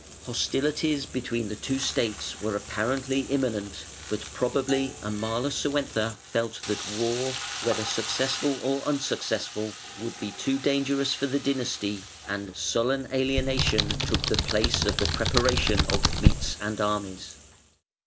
Hostilities between the two states were apparently imminent, but probably Amalasuentha felt that war, whether successful or unsuccessful, would be too dangerous for the dynasty, and sullen alienation took the place of the preparation of fleets and armies.